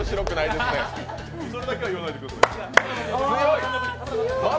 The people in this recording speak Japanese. それだけは言わないでください。